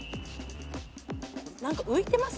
何か浮いてます？